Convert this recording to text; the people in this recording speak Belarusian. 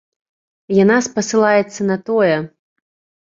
Яна спасылаецца на тое,.